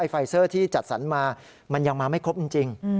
ไฟเซอร์ที่จัดสรรมามันยังมาไม่ครบจริง